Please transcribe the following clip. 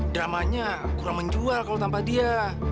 dramanya kurang menjual kalau tanpa dia